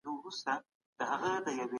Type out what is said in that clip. لاسي کار د ژوند د پرمختګ لپاره حیاتي دی.